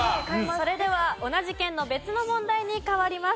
それでは同じ県の別の問題に変わります。